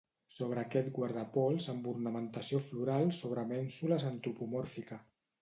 Sobre aquest guardapols amb ornamentació floral sobre mènsules antropomòrfica.